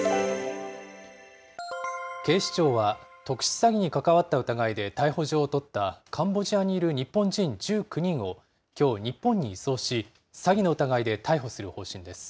警視庁は、特殊詐欺に関わった疑いで逮捕状を取った、カンボジアにいる日本人１９人をきょう、日本に移送し、詐欺の疑いで逮捕する方針です。